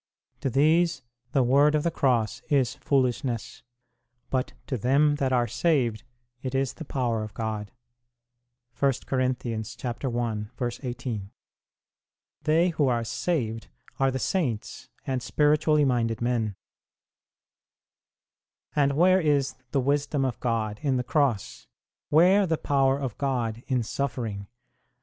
To these the word of the Cross is foolishness, but to them that are saved ... it is the power of God. 2 They who are saved are the saints and spiritually minded men. And where is the wisdom of God in the Cross ? Where the power of God in suffering